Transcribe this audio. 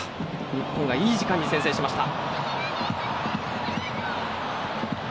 日本が、いい時間に先制しました。